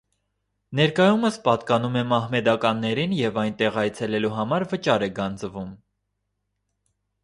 Ներկայումս պատկանում է մահմեդականներին և այնտեղ այցելելու համար վճար է գանձվում։